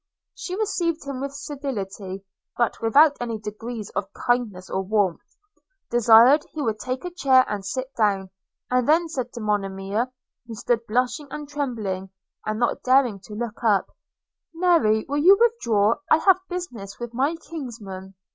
She received him with civility, but without any degree of kindness or warmth – desired he would take a chair and sit down, and then said to Monimia, who stood blushing and trembling, and not daring to look up, – 'Mary, you will withdraw, I have business with my kinsman.'